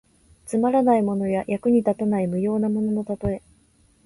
つまらないものや、役に立たない無用なもののたとえ。